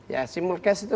ya simulcast itu